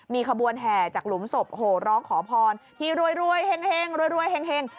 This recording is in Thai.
มีขบวนแห่จากหลุมศพโหร้องขอพรหีรวยรวยเฮ้งเฮ้ง